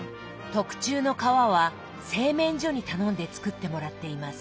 特注の皮は製麺所に頼んで作ってもらっています。